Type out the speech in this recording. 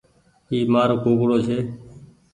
اي مآرو ڪوڪڙو ڇي۔